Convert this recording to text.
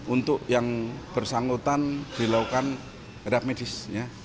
untuk yang bersangkutan dilakukan reak medis